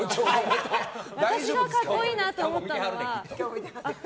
私が格好いいなと思ったのは。